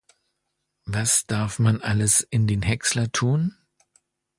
Was darf man alles in den Häcksler tun?